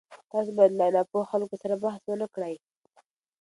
تاسو باید له ناپوهه خلکو سره بحث ونه کړئ.